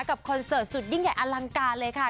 คอนเสิร์ตสุดยิ่งใหญ่อลังการเลยค่ะ